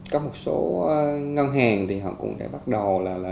có một số ngân hàng thì họ cũng đã bắt đầu là